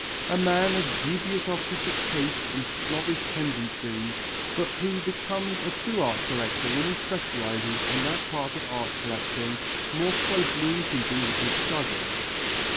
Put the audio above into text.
A man of dubious artistic taste and snobbish tendencies but who becomes a true art lover when he specializes in that part of art collecting more closely in keeping with his studies.